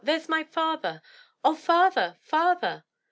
"There's my father! Oh, father, father!"